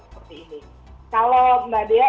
seperti ini kalau mbak dea